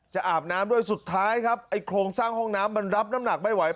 อาบน้ำด้วยสุดท้ายครับไอ้โครงสร้างห้องน้ำมันรับน้ำหนักไม่ไหว